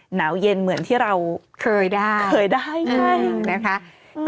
หนาวเย็นเหมือนที่เราเคยได้ใช่นะคะคือ